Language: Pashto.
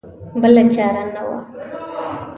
بله چاره نه وه.